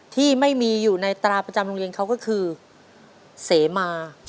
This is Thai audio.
ที่ไม่มีอยู่ในตราประจำโรงเรียนเขาก็คือเสมา